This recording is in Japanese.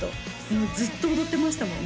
もうずっと踊ってましたもんね